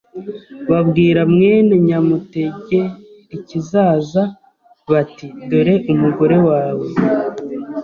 Babwira mwene Nyamutegerikizaza bati dore umugore wawe